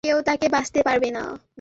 তখন কেউ তাকে বাঁচাতে পারবে না।